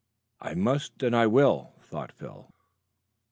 "I must, and I will," thought Phil.